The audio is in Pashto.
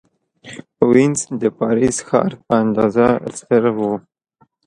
وینز د پاریس ښار په اندازه ستر و.